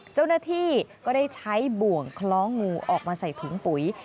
เจ้าหน้าที่ก็ได้ใช้บ่วงคล้องงูออกมาใส่ถุงปุ๋ย